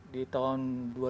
di tahun dua ribu dua puluh dua